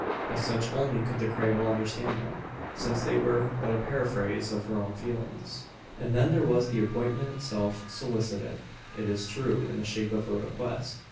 As such only could the Creole understand them: since they were but a paraphrase of her own feelings. And then there was the appointment itself solicited, it is true, in the shape of a request.